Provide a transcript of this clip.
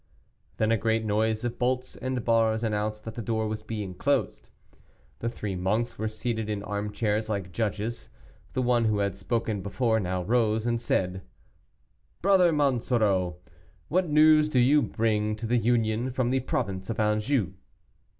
Then a great noise of bolts and bars announced that the door was being closed. The three monks were seated in armchairs, like judges. The one who had spoken before now rose and said "Brother Monsoreau, what news do you bring to the Union from the province of Anjou?"